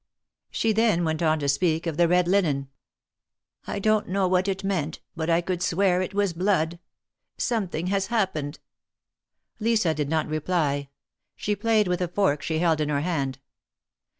She then went on to speak of the red linen. I don't know what it meant, but I could swear it was blood. Something has happened." Lisa did not reply. She played with a fork she held in her hand.